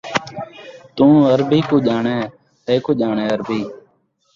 توں عربی کوں ڄاݨے تیکوں ڄاݨے عربی